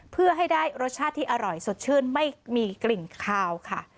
เพื่อให้ได้รสชาติที่อร่อยสดชื่นไม่มีกลิ่นคาวค่ะ